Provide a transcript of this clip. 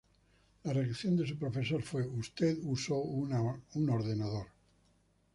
La reacción de su profesor fue, "¡Usted usó una computadora!